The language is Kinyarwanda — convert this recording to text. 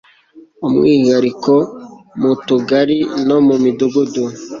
umwihariko mu tugari no mu midugudu